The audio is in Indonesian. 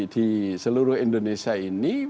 di seluruh indonesia ini